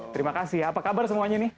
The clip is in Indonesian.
terima kasih apa kabar semuanya nih